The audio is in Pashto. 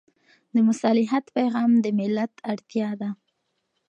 د مصالحت پېغام د ملت اړتیا ده.